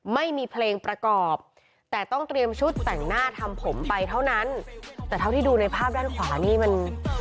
ไม่มีเพลงประกอบแต่ต้องเตรียมชุดแต่งหน้าทำผมไปเท่านั้นแต่เท่าที่ดูในภาพด้านขวานี่มัน